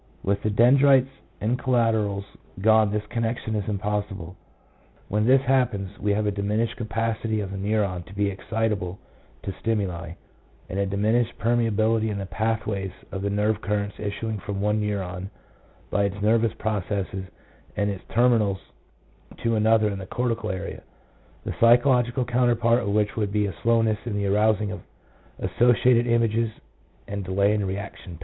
With the dendrites and collaterals gone this connec tion is impossible. When this happens we have a diminished capacity of the neuron to be excitable to stimuli, and a diminished permeability in the path ways of the nerve currents issuing from one neuron by its nervous processes and its terminals to another in the cortical area, the psychological counterpart of which would be a slowness in the arousing of asso ciated images, and delay in reaction time.